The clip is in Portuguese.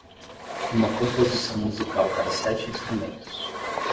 Uma composição musical para sete instrumentos.